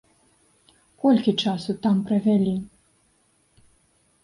Колькі часу там правялі?